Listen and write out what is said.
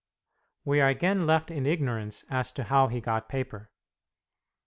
We are again left in ignorance as to how he got paper.